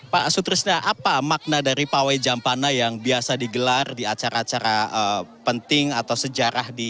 pak sutrisna apa makna dari pawai jampana yang biasa digelar di acara acara penting atau sejarah di